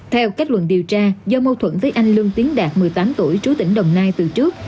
theo kết luận điều tra do mâu thuẫn với anh lương tiến đạt một mươi tám tuổi trú tỉnh đồng nai từ trước